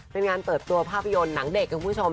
เป็นงานเปิดตัวภาพยนตร์หนังเด็กคุณผู้ชม